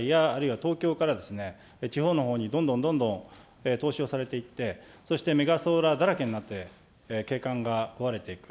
つまり大資本が海外やあるいは東京から地方のほうにどんどんどんどん投資をされていって、そしてメガソーラーだらけになって、景観が壊れていく。